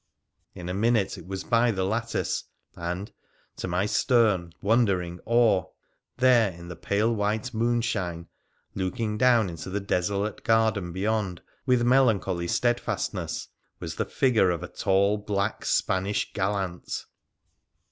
In a minute it was by the lattice, and, to my stern, wondering awe, there, in the pale white moonshine, looking down into the desolate garden beyond with melancholy steadfastness, was the figure of a tall black Spanish gallant.